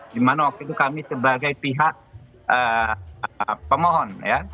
dimana waktu itu kami sebagai pihak pemohon